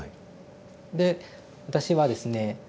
で私はですね